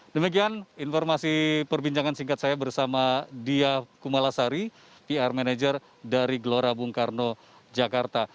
demikian informasi perbincangan singkat saya bersama dia kumalasari pr manajer dari gelora bung karno jakarta